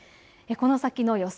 この先の予想